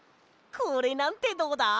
これなんてどうだ？